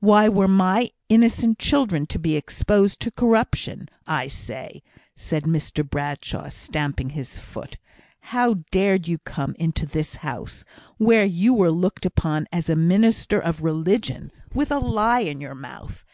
Why were my innocent children to be exposed to corruption? I say," said Mr Bradshaw, stamping his foot, "how dared you come into this house, where you were looked upon as a minister of religion, with a lie in your mouth?